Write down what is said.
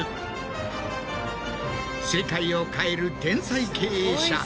世界を変える天才経営者